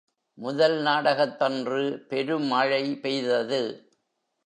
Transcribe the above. முதல் நாடகத்தன்று பெருமழை பெய்தது.